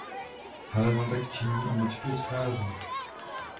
Helena tak činí a mlčky odchází.